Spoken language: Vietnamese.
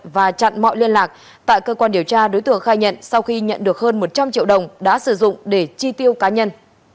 và chặn mọi liên lạc tại cơ quan điều tra đối tượng khai nhận sau khi nhận được hơn một trăm linh triệu đồng đã sử dụng để chi tiêu cá nhân